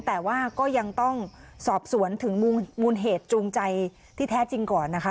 แต่ว่าก็ยังต้องสอบสวนถึงมูลเหตุจูงใจที่แท้จริงก่อนนะคะ